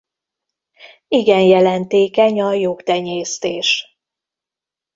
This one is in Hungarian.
Igen jelentékeny a juhtenyésztés.